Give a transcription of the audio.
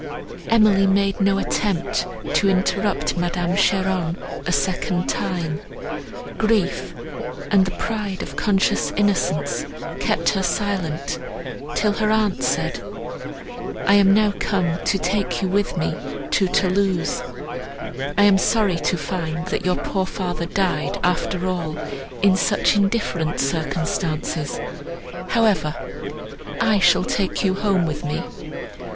Emily made no attempt to interrupt Madame Cheron a second time, grief and the pride of conscious innocence kept her silent, till her aunt said, "I am now come to take you with me to Thoulouse; I am sorry to find, that your poor father died, after all, in such indifferent circumstances; however, I shall take you home with me.